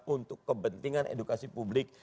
untuk kepentingan edukasi publik